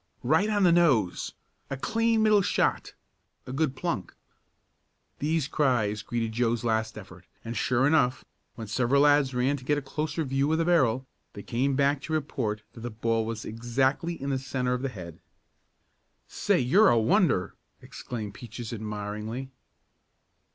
"Right on the nose!" "A clean middle shot!" "A good plunk!" These cries greeted Joe's last effort, and, sure enough, when several lads ran to get a closer view of the barrel, they came back to report that the ball was exactly in the centre of the head. "Say, you're a wonder!" exclaimed Peaches, admiringly.